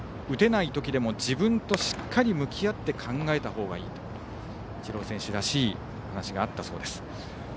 打てないときでも自分としっかり向き合って考えたほうがいいとイチロー選手らしい話があったそうです。